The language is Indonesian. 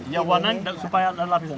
ya wanan supaya ada lapisan